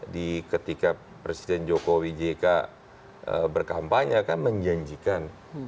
di ketika presiden jokowi jk berkampanye kan menjanjikan